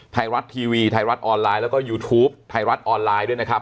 ไทยรัฐทีวีไทยรัฐออนไลน์แล้วก็ยูทูปไทยรัฐออนไลน์ด้วยนะครับ